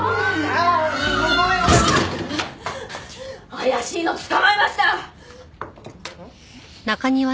怪しいの捕まえました！